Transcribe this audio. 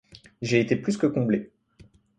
J’ai été plus que comblé.